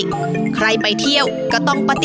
สะพานหินเกิดถึงจากธรรมชาติ